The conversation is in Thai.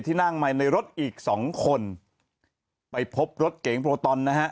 ที่นั่งในรถอีก๒คนไปพบรถเก๋งโปรตอนนะฮะ